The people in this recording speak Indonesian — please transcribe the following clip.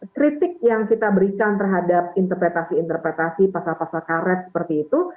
kritik yang kita berikan terhadap interpretasi interpretasi pasal pasal karet seperti itu